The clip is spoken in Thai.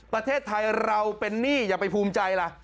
ประเทศไทยเราเป็นหนี้อย่าไปภูมิใจล่ะ